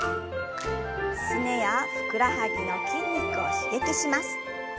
すねやふくらはぎの筋肉を刺激します。